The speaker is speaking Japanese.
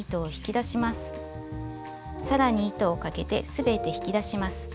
さらに糸をかけて全て引き出します。